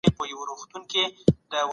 د غره په شان ټینګه وه